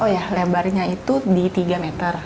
oh ya lebarnya itu di tiga meter